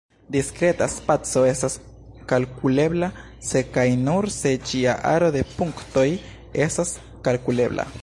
Diskreta spaco estas kalkulebla se kaj nur se ĝia aro de punktoj estas kalkulebla.